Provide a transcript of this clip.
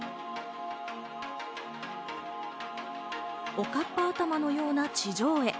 おかっぱ頭のような地上絵。